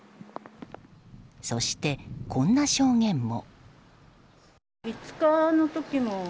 そして、こんな証言も。